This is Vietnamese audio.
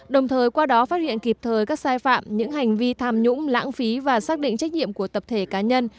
đồng thời qua đó phát hiện kịp thời các sai phạm những hành vi tham nhũng lãng phí và xác định trách nhiệm của tập thể cá nhân